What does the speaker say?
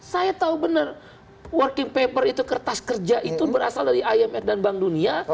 saya tahu benar working paper itu kertas kerja itu berasal dari imf dan bank dunia